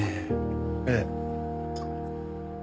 ええ。